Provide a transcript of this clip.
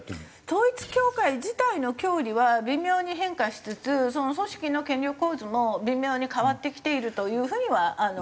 統一教会自体の教理は微妙に変化しつつ組織の権力構図も微妙に変わってきているという風には聞いて。